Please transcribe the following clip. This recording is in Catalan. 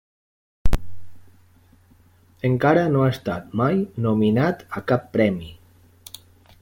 Encara no ha estat mai nominat a cap premi.